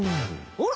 あら！